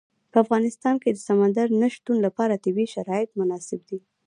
په افغانستان کې د سمندر نه شتون لپاره طبیعي شرایط مناسب دي.